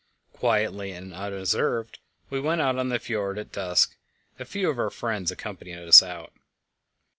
Quietly and unobserved we went out of the fjord at dusk; a few of our friends accompanied us out.